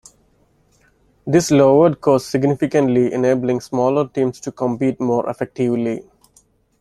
This lowered costs significantly, enabling smaller teams to compete more effectively.